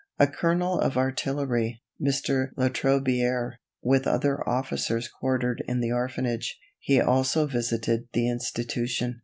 A colonel of artillery, Mr. Latrobiere, with other officers quartered in the orphanage; he also visited the Institution.